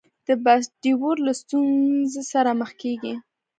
د بس ډریور له ستونزې سره مخ کېږي.